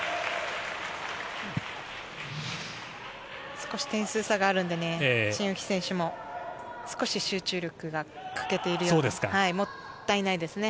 少し点数差があるので、チン・ウヒ選手も少し集中力が欠けている、もったいないですね。